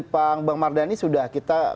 pak mardhani sudah kita